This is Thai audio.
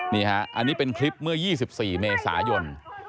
นี่ฮะอันนี้เป็นคลิปเมื่อ๒๔เมษายน